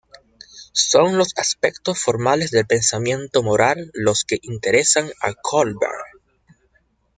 Son los aspectos formales del pensamiento moral los que interesan a Kohlberg.